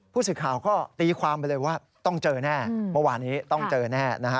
ผู้สื่อข่าวก็ตีความไปเลยว่าต้องเจอแน่เมื่อวานนี้ต้องเจอแน่นะฮะ